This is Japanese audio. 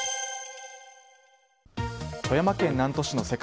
富山県南砺市の世界